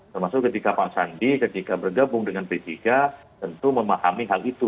termasuk ketika pak sandi ketika bergabung dengan p tiga tentu memahami hal itu